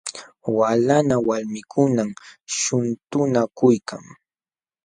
Walanqa walmikunam shuntunakuykan.